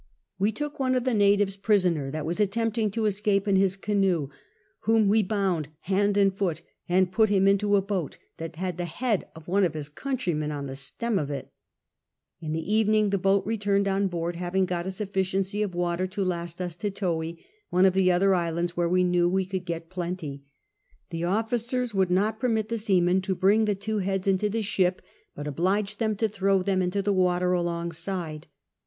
We took one of the natives prisoners that was attempting to escape in his canoe, whom we bound hand and foot and put him into a boat that liad the head of one of his countrymen on the stem of it In the evening the boat returned on board, having got a sufficiency of water to last us to Towi, one of the other islands where we knew we could get plenty. ' The officers would not permit the seamen to bring the two heads XI GILBERTS STORY 169 into the ship, but obliged them to throw them into the water alongside.